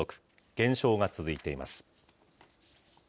減少が続いています。